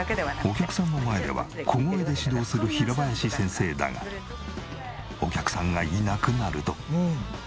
お客さんの前では小声で指導する平林先生だがお客さんがいなくなると。